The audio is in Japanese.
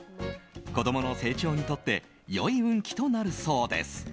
子供の成長にとって良い運気となるそうです。